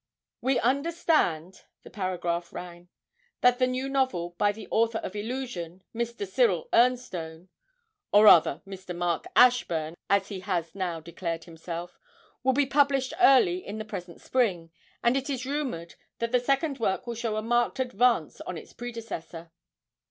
'We understand,' the paragraph ran, 'that the new novel by the author of "Illusion," Mr. Cyril Ernstone (or rather Mr. Mark Ashburn, as he has now declared himself), will be published early in the present spring, and it is rumoured that the second work will show a marked advance on its predecessor.'